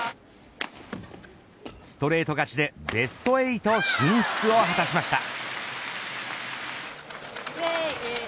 ストレート勝ちでベスト８進出を果たしました。